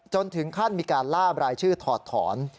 ถึงขั้นมีการล่าบรายชื่อถอดถอน